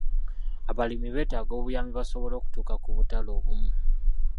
Abalimi beetaaga obuyambi basobole okutuuka ku butale obumu